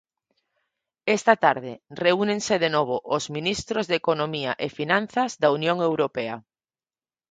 Esta tarde reúnense de novo os ministros de Economía e Finanzas da Unión Europea.